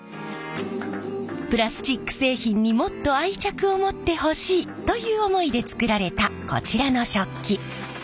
プラスチック製品にもっと愛着を持ってほしい！という思いで作られたこちらの食器。